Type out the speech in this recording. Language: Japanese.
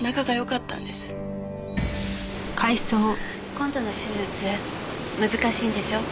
今度の手術難しいんでしょう？